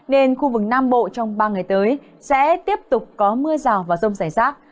nên khu vực nam bộ trong ba ngày tới sẽ tiếp tục có mưa rào và rông rải rác